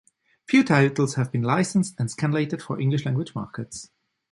Few titles have been licensed or scanlated for English-language markets.